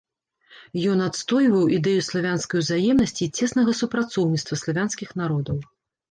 Ён адстойваў ідэю славянскай узаемнасці і цеснага супрацоўніцтва славянскіх народаў.